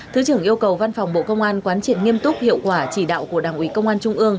thứ trưởng yêu cầu văn phòng bộ công an quán triệt nghiêm túc hiệu quả chỉ đạo của đảng ủy công an trung ương